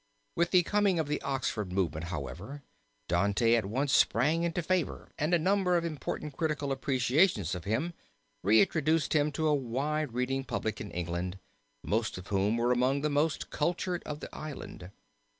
With the coming of the Oxford Movement, however, Dante at once sprang into favor, and a number of important critical appreciations of him reintroduced him to a wide reading public in England, most of whom were among the most cultured of the island.